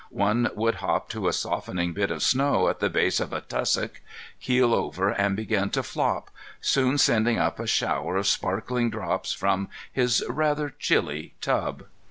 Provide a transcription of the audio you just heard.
One would hop to a softening bit of snow at the base of a tussock, keel over and begin to flop, soon sending up a shower of sparkling drops from his rather chilly tub.